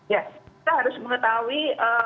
ya kita harus mengetahui